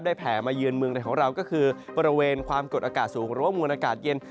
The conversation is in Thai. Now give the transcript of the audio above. แผ่มาเยือนเมืองในของเราก็คือบริเวณความกดอากาศสูงหรือว่ามวลอากาศเย็น